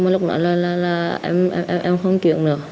lúc đó là em không chuyển nữa